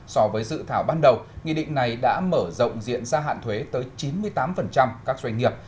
so với dự thảo ban đầu nghị định này đã mở rộng diện gia hạn thuế tới chín mươi tám các doanh nghiệp